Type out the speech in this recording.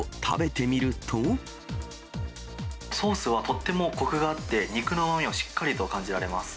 ソースはとってもこくがあって、肉のうまみをしっかりと感じられます。